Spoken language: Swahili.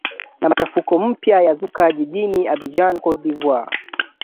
na machafuko mpya yazuka jijini abidjan cote de voire